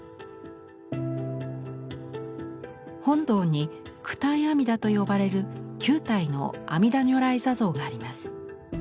本堂に「九体阿弥陀」と呼ばれる９体の阿弥陀如来坐像があります。